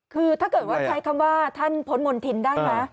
คือถ้าเกิดว่าใช้คำว่าท่านพ้นมณฑินได้ไหม